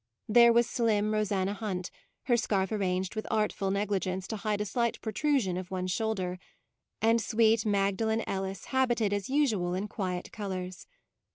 There was slim Rosanna Hunt, her scarf arranged with artful negligence to hide a slight protrusion of one shoul der; and sweet Magdalen Ellis hab ited as usual in quiet colours.